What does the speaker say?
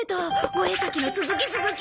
お絵描きの続き続き。